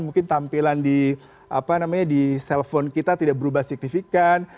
mungkin tampilan di apa namanya di cellphone kita tidak berubah signifikan